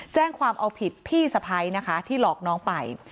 แจ้งความเอาผิดพี่สะพ้ายนะคะที่หลอกน้องไป